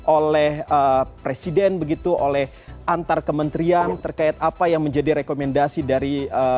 oleh presiden begitu oleh antar kementerian terkait apa yang menjadi rekomendasi dari